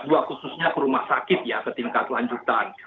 khususnya ke rumah sakit ya ke tingkat lanjutan